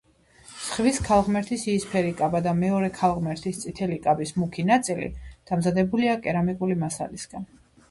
ზღვის ქალღმერთის იისფერი კაბა და მეორე ქალღმერთის წითელი კაბის მუქი ნაწილი დამზადებულია კერამიკული მასალისგან.